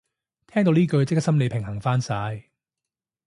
聽到呢句即刻心理平衡返晒